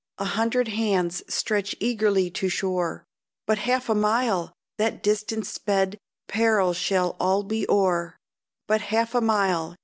a hundred hands Stretch eagerly to shore. But half a mile! That distance sped Peril shall all be o'er. But half a mile!